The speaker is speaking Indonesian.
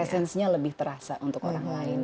esensinya lebih terasa untuk orang lain